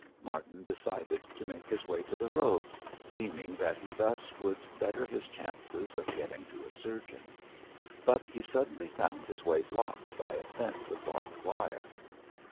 Martin decided to make his way to the road, deeming that he thus would better his chances of getting to a surgeon. But he suddenly found his way blocked by a fence of barbed wire.